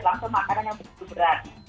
langsung makanan yang berat